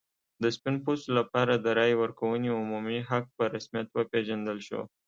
د سپین پوستو لپاره د رایې ورکونې عمومي حق په رسمیت وپېژندل شو.